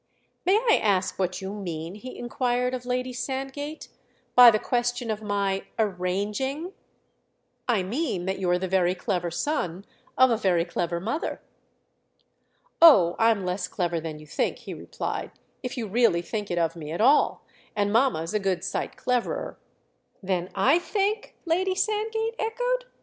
"May I ask what you mean," he inquired of Lady Sandgate, "by the question of my 'arranging'?" "I mean that you're the very clever son of a very clever mother." "Oh, I'm less clever than you think," he replied—"if you really think it of me at all; and mamma's a good sight cleverer!" "Than I think?" Lady Sandgate echoed.